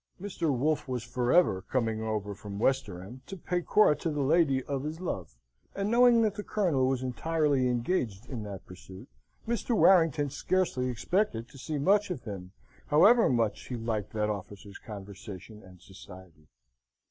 Mr. Wolfe was for ever coming over from Westerham to pay court to the lady of his love; and, knowing that the Colonel was entirely engaged in that pursuit, Mr. Warrington scarcely expected to see much of him, however much he liked that officer's conversation and society.